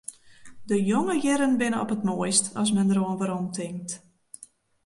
De jonge jierren binne op it moaist as men deroan weromtinkt.